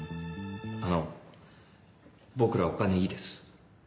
あの僕らお金いいです。